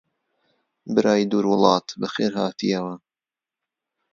برای دوور وڵات بەخێر هاتیەوە!